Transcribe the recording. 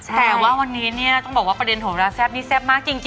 แต่ว่าวันนี้เนี่ยต้องบอกว่าประเด็นโหราแซ่บนี่แซ่บมากจริง